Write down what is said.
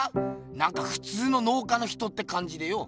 なんかふつうの農家の人ってかんじでよ。